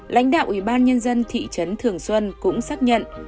lãnh đạo ủy ban nhân dân thị trấn thường xuân cũng xác nhận